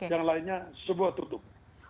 yang lainnya sebuah tutup